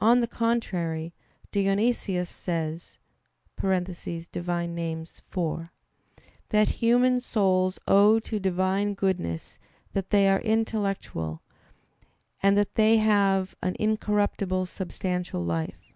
On the contrary, Dionysius says (Div. Nom. iv) that human souls owe to Divine goodness that they are "intellectual," and that they have "an incorruptible substantial life."